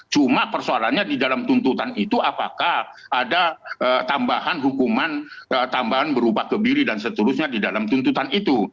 cuma persoalannya di dalam tuntutan itu apakah ada tambahan hukuman tambahan berupa kebiri dan seterusnya di dalam tuntutan itu